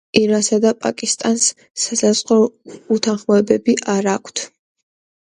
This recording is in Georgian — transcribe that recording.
ირანსა და პაკისტანს სასაზღვრო უთანხმოებები არ აქვთ.